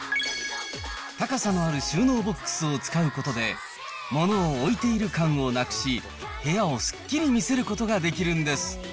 高さのある収納ボックスを使うことで、物を置いている感をなくし、部屋をすっきり見せることができるんです。